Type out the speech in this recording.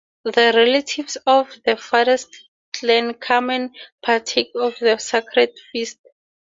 The relatives of the father's clan come and partake of the sacred feast.